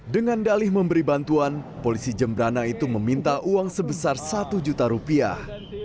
dengan dalih memberi bantuan polisi jembrana itu meminta uang sebesar satu juta rupiah